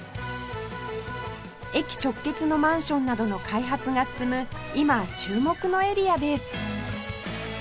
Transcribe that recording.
駅直結のマンションなどの開発が進む今注目のエリアです